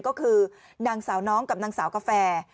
ก็คือนางสาวน้องกับนางสาวกาแฟ